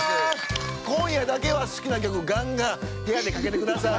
今夜だけは好きな曲ガンガン部屋でかけてください。